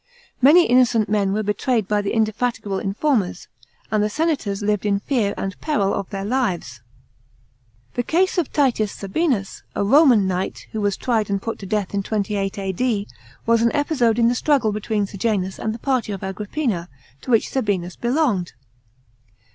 Many innocent men were betrayed by the indefatigable informers, and the senators lived in fear ai d peril of their lives. § 16. The case of Titius Sabinus, a Roman knight, who was tried and put to death in 28 A.D., was an episode in the struggle between Sejanus and the party of Agrippina, to which Sabinus belonged.